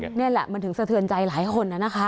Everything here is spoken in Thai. นี่แหละมันถึงสะเทือนใจหลายคนนะคะ